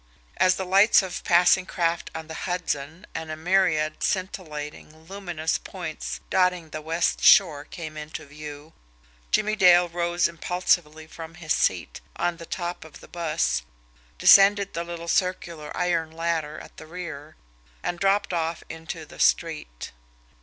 As the lights of passing craft on the Hudson and a myriad scintillating, luminous points dotting the west shore came into view, Jimmie Dale rose impulsively from his seat on the top of the bus, descended the little circular iron ladder at the rear, and dropped off into the street.